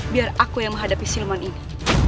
biar aku yang menghadapi silman ini